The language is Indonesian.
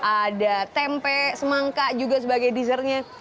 ada tempe semangka juga sebagai dessertnya